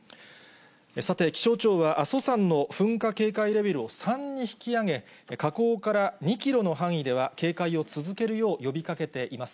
さて、気象庁は阿蘇山の噴火警戒レベルを３に引き上げ、火口から２キロの範囲では警戒を続けるよう呼びかけています。